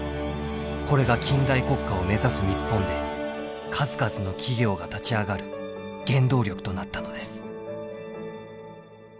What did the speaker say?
これが近代国家を目指す日本で数々の企業が立ち上がる原動力となったのです。